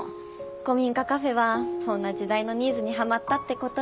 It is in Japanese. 古民家カフェはそんな時代のニーズにハマったって事よ。